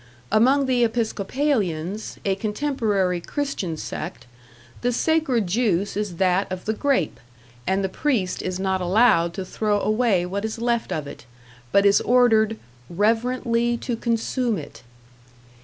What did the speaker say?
Among the Episcopalians, a contemporary Christian sect, the sacred juice is that of the grape, and the priest is not allowed to throw away what is left of it, but is ordered "reverently to consume it."